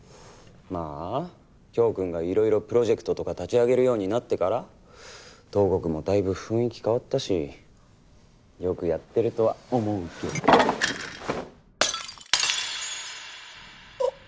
まあ京くんがいろいろプロジェクトとか立ち上げるようになってから東極もだいぶ雰囲気変わったしよくやってるとは思うけど。